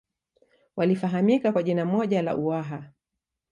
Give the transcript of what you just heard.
walifahamika kwa jina moja la Uwaha